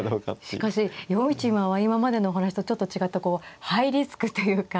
しかし４一馬は今までのお話とちょっと違ったハイリスクというか。